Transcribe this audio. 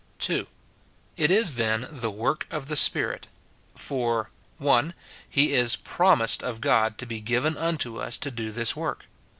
2. It is, then, the work of the Spirit. For, — (1.) He is promised of God to be given unto us to do this work.